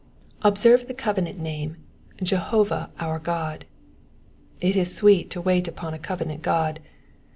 Observe the covenant name, '•'• Jehovah our God ^\' it is sweet to wait upon a covenant God.